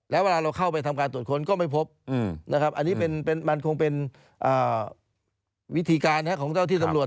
แล้วเวลาเราเข้าไปทำการตรวจค้นก็ไม่พบนะครับอันนี้มันคงเป็นวิธีการของเจ้าที่ตำรวจ